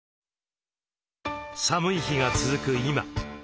寒い日が続く今。